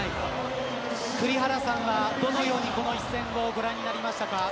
栗原さんはどのようにこの一戦をご覧になりましたか。